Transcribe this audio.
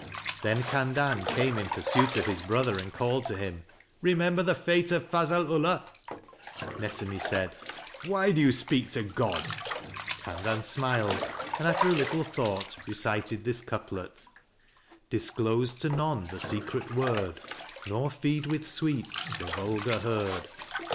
" Then Khandan came in pursuit of his brother and called to him: " Remember the fate of Fazl Ullah." Nesemi said: "Why do you speak to God?" Khandan smiled, and after a little thought recited this couplet: Disclose to none the secret word, Nor feed with sweets the vulgar herd.